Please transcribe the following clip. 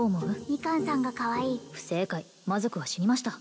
ミカンさんがかわいい不正解魔族は死にました